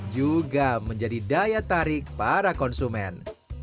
juga menjadi daya tarik para konsumen